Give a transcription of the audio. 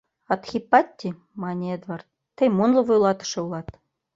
— Адхипатти, — мане Эдвард, — тый мунло вуйлатыше улат!